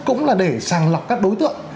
cũng là để sàng lọc các đối tượng